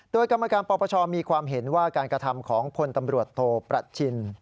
โดยกรรมการปปชมีความเห็นว่าการกระทำของพลตำรวจโทประชิน